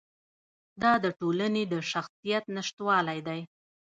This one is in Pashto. دا د ټولنې د شخصیت نشتوالی دی.